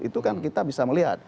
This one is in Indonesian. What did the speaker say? itu kan kita bisa melihat